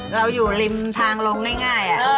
เราอยู่ริมทางลงง่าย